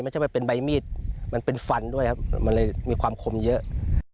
ไม่ใช่ว่าเป็นใบมีดมันเป็นฟันด้วยครับมันเลยมีความคมเยอะ